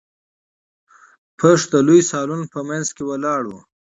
آهنګر د لوی سالون په مينځ کې ولاړ و.